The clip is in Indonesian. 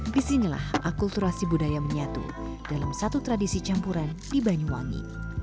disinilah akulturasi budaya menyatu dalam satu tradisi campuran di banyuwangi